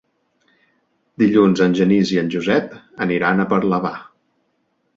Dilluns en Genís i en Josep aniran a Parlavà.